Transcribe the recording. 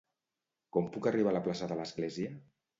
Com puc arribar a la plaça de l'església?